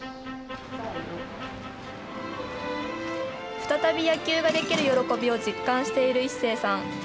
再び野球ができる喜びを実感している一生さん。